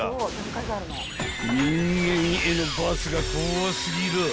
［人間への罰が怖すぎる！